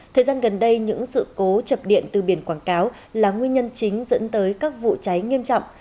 thời gian gần đây những sự cố chập điện từ biển quảng cáo là nguyên nhân chính dẫn tới các vụ cháy nghiêm trọng